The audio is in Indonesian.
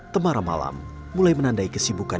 temara malam mulai menandai kesibukan